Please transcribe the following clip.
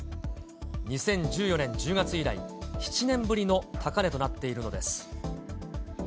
２０１４年１０月以来、７年ぶりの高値となっているのです。